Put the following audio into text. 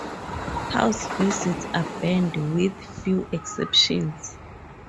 House visits are banned with few exceptions.